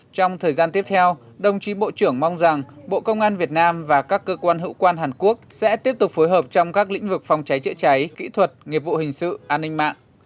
trong thời gian tiếp theo đồng chí bộ trưởng mong rằng bộ công an việt nam và các cơ quan hữu quan hàn quốc sẽ tiếp tục phối hợp trong các lĩnh vực phòng cháy chữa cháy kỹ thuật nghiệp vụ hình sự an ninh mạng